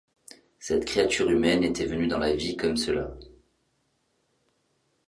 Cette créature humaine était venue dans la vie comme cela.